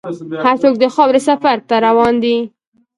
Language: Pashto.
هر څوک د خاورې سفر ته روان دی.